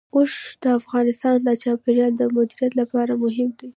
اوښ د افغانستان د چاپیریال د مدیریت لپاره مهم دي.